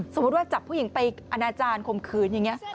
สมมุติว่าจับผู้หญิงไปอนาจารย์ข่มขืนอย่างนี้